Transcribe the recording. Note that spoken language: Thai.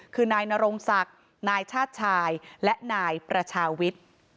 คือนายนรงศักดิ์นายชาติชายและนายประชาวิทย์